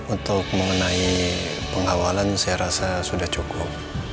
untuk mengenai pengawalan saya rasa sudah cukup